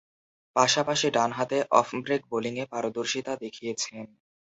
পাশাপাশি ডানহাতে off break বোলিংয়ে পারদর্শীতা দেখিয়েছেন।